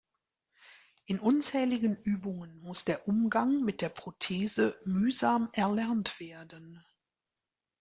In unzähligen Übungen muss der Umgang mit der Prothese mühsam erlernt werden.